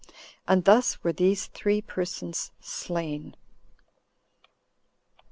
And thus were these [three] persons slain.